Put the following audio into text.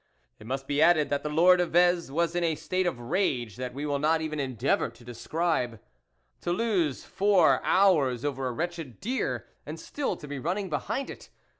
It must be added that the Lord of Vez was hi a state of rage that we will not even endeavour to describe. To lose four hours over a wretched deer and still to be running behind it!